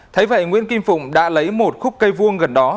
thấy vậy nguyễn kim phụng đã lấy một khúc cây vuông gần đó